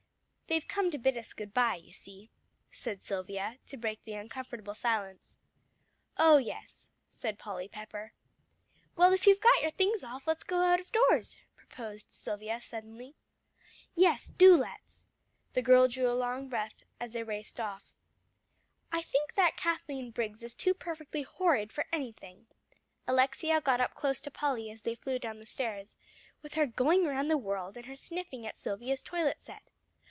"They've come to bid us good bye, you see," said Silvia, to break the uncomfortable silence. "Oh yes," said Polly Pepper. "Well, if you've got your things off, let's go out of doors," proposed Silvia suddenly. "Yes, do let's." The girls drew a long breath as they raced off. "I think that Kathleen Briggs is too perfectly horrid for anything" Alexia got up close to Polly as they flew down the stairs "with her going round the world, and her sniffing at Silvia's toilet set."